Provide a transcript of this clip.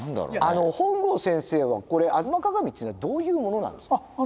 本郷先生はこれ「吾妻鏡」っていうのはどういうものなんですか？